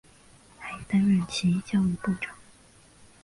还担任其教育部长。